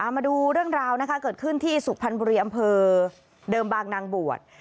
มาดูเรื่องราวนะคะเกิดขึ้นที่สุพรรณบุรีอำเภอเดิมบางนางบวช